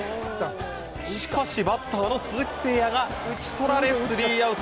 しかしバッターの鈴木誠也が打ち取られ、スリーアウト。